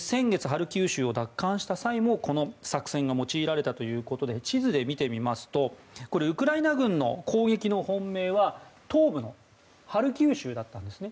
ハルキウ州を奪還した際もこの作戦が用いられたということで地図で見てみますとウクライナ軍の攻撃の本命は東部のハルキウ州だったんです。